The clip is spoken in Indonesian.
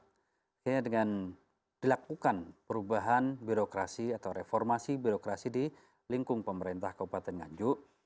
sehingga dengan dilakukan perubahan birokrasi atau reformasi birokrasi di lingkung pemerintah kabupaten ganjuk